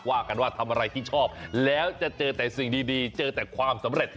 ว่ากันว่าทำอะไรที่ชอบแล้วจะเจอแต่สิ่งดีเจอแต่ความสำเร็จ